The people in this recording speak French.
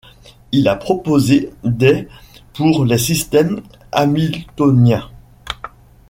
Il a proposé des pour les systèmes hamiltoniens.